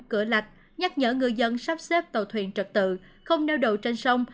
cửa lạch nhắc nhở người dân sắp xếp tàu thuyền trật tự không neo đậu trên sông